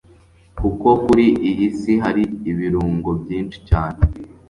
kuko kuri iyi si hari ibirunga byinshi cyane